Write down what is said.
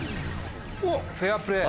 「フェアプレー」。